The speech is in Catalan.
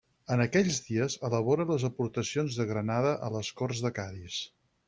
En aquells dies elabora les aportacions de Granada a les Corts de Cadis.